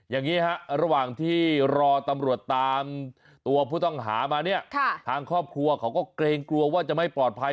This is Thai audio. อย่างนี้ฮะระหว่างที่รอตำรวจตามตัวผู้ต้องหามาเนี่ยทางครอบครัวเขาก็เกรงกลัวว่าจะไม่ปลอดภัย